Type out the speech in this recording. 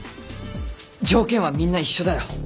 条件はみんな一緒だよ。